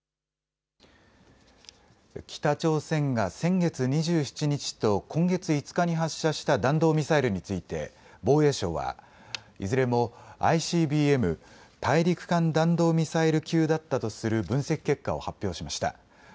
北朝鮮が先月２７日と今月５日に発射した弾道ミサイルについて防衛省はいずれもＩＣＢＭ・大陸間弾道ミサイル級だったとする分析結果を発表しました。